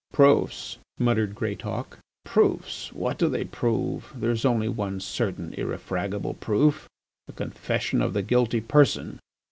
"Proofs," muttered Greatauk, "Proofs, what do they prove? There is only one certain, irrefragable proof—the confession of the guilty person.